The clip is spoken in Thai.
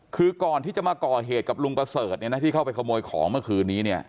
คือก่อนที่จะมาก่อเหตุกับลุงประเสริฐเนี่ยนะที่เข้าไปขโมยของเมื่อคืนนี้เนี่ย